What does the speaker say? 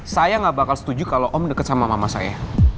saya nggak bakal setuju kalau om dekat sama mama saya